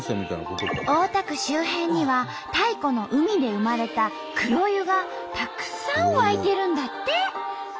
大田区周辺には太古の海で生まれた黒湯がたくさん湧いてるんだって！